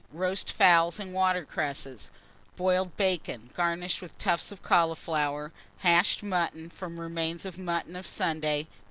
Roast fowls and water cresses; boiled bacon, garnished with tufts of cauliflower; hashed mutton, from remains of mutton of Sunday.